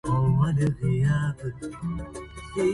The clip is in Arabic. وحيك يا سيدتي أمينة